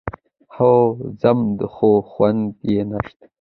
هو ځم، خو خوند يې نشته.